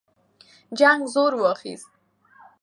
جنګ زور واخیست.